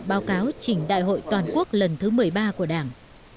báo cáo trình đại hội toàn quốc lần thứ một mươi ba của đảng